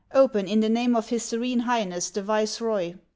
Open, in the name of his Serene Highness the Viceroy